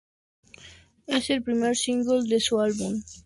Es el primer single de su álbum, "Cause and Effect" en Noruega.